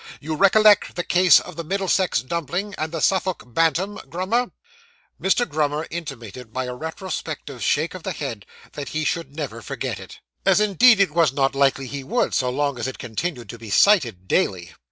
You recollect the case of the Middlesex Dumpling and the Suffolk Bantam, Grummer?' Mr. Grummer intimated, by a retrospective shake of the head, that he should never forget it as indeed it was not likely he would, so long as it continued to be cited daily.